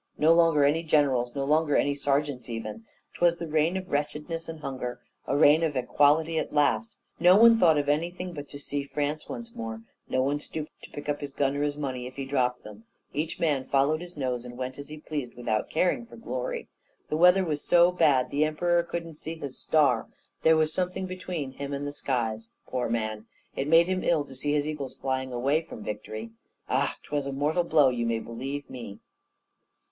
no longer any generals, no longer any sergeants even. 'Twas the reign of wretchedness and hunger a reign of equality at last. No one thought of anything but to see France once more; no one stooped to pick up his gun or his money if he dropped them; each man followed his nose, and went as he pleased without caring for glory. The weather was so bad the Emperor couldn't see his star; there was something between him and the skies. Poor man! it made him ill to see his eagles flying away from victory. Ah! 'twas a mortal blow, you may believe me.